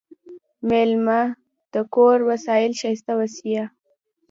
مېلمه ته د کور وسایل ښايسته وښیه.